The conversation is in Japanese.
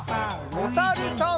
おさるさん。